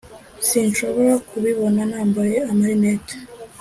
sinshobora kubibona nambaye amarinete.